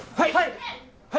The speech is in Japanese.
はい！